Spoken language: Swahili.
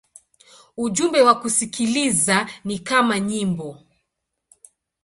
Ujumbe wa kusikiliza ni kama nyimbo.